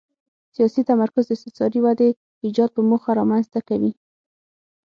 سیاسي تمرکز استثاري ودې ایجاد په موخه رامنځته کوي.